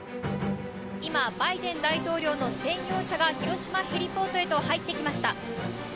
今、バイデン大統領の専用車が広島ヘリポートへと入ってきました。